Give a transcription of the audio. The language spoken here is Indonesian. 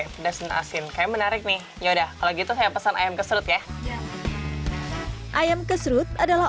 pedas dan asin kayak menarik nih ya udah kalau gitu saya pesan ayam kesrut ya ayam kesrut adalah